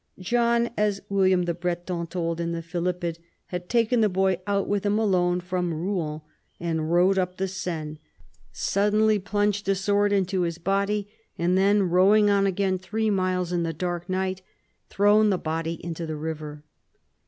John, so William the Breton told in the Philippid, had taken the boy out with him alone from Eouen and rowed up the Seine, suddenly plunged a sword into his body, and then, rowing on again three miles in the dark night, thrown the body into the river.